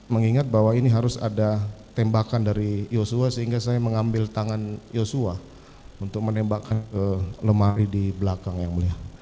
mengingat bahwa ini harus ada tembakan dari yosua sehingga saya mengambil tangan yosua untuk menembakkan ke lemari di belakang yang mulia